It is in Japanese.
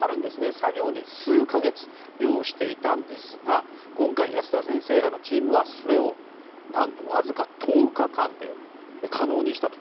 作業に数か月を要していたんですが今回、保田先生らのチームはそれを何とわずか１０日間で可能にしたと。